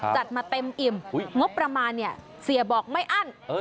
จัดมาเต็มอิ่มงบประมาณเนี่ยเสียบอกไม่อั้น